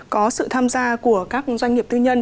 có sự tham gia của các doanh nghiệp tư nhân